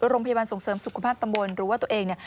โรงพยาบาลส่งเสริมสุขภาพตำบลหรือว่าตัวเองเนี่ย